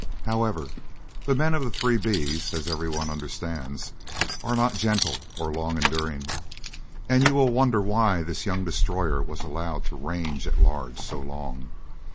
However, the men of the Three B's, as everyone understands, are not gentle or long enduring, and you will wonder why this young destroyer was allowed to range at large so long.